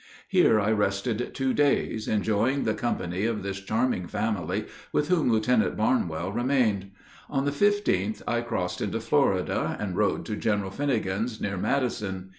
Here I rested two days, enjoying the company of this charming family, with whom Lieutenant Barnwell remained. On the 15th I crossed into Florida, and rode to General Finnegan's, near Madison.